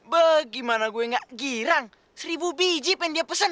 bagaimana gue gak girang seribu biji pengen dia pesen